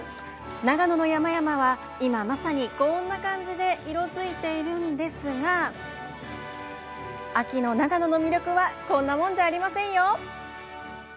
長野の山々は今まさにこんな感じで色づいているんですが秋の長野の魅力はこんなもんじゃありませんよ。